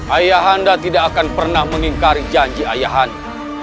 ayah henda tidak akan pernah meningkari janji ayah henda